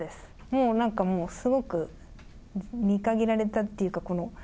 もうなんか、すごく見限られたっていうか、この。